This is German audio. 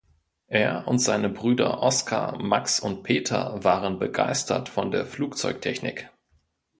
Er und seine Brüder Oskar, Max und Peter waren begeistert von der Flugzeugtechnik.